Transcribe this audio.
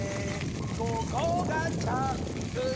「ここがチャンス」